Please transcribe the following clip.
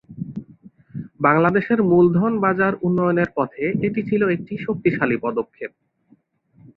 বাংলাদেশের মূলধন বাজার উন্নয়নের পথে এটি ছিল একটি শক্তিশালী পদক্ষেপ।